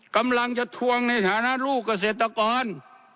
กำลังจะทวงในฐานะลูกเกษตรกร